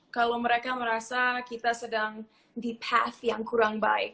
kalau mereka merasa kita sedang dipass yang kurang baik